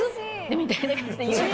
みたいな感じで言うじゃん。